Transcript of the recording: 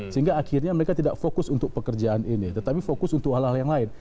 sehingga akhirnya mereka tidak fokus untuk pekerjaan ini tetapi fokus untuk hal hal yang lain